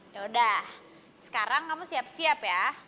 yaudah sekarang kamu siap siap ya